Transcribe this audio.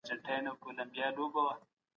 یواځې ولیکئ، حتی که څوک یې ونه لوستل.